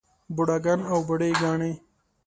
بوډاګان او بوډے ګانے